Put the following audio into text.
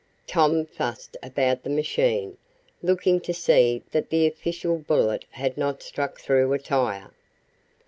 Tom fussed about the machine, looking to see that the official bullet had not struck through a tire.